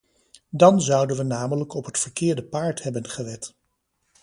Dan zouden we namelijk op het verkeerde paard hebben gewed.